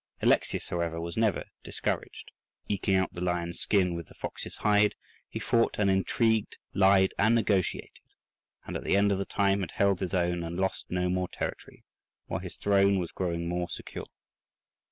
Alexius, however, was never discouraged: "eking out the lion's skin with the fox's hide," he fought and intrigued, lied and negotiated, and at the end of the time had held his own and lost no more territory, while his throne was growing more secure.